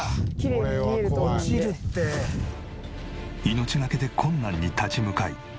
命がけで困難に立ち向かい